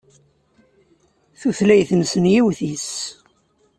Tutlayt-nsen yiwet-nnes.